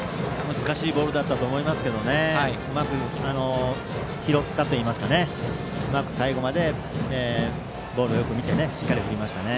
難しいボールだったと思いますがうまく拾ったといいますかうまく最後までボールをよく見てしっかり振りました。